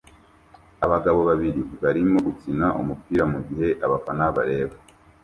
Abagabo babiri barimo gukina umupira mugihe abafana bareba